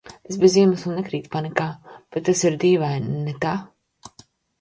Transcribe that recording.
Es bez iemesla nekrītu panikā, bet tas ir dīvaini, ne tā?